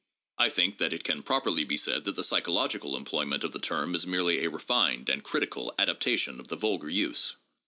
I think that it can properly be said that the psychological employment of the term is merely a refined and critical adaptation of the vulgar use.